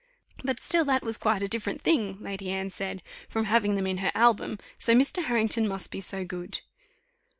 "But still that was quite a different thing," Lady Anne said, "from having them in her album; so Mr. Harrington must be so very good."